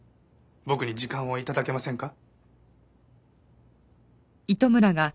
僕に時間を頂けませんか？